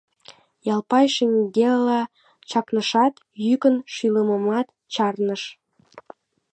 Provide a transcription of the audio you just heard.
Ялпай шеҥгела чакнышат, йӱкын шӱлымымат чарныш.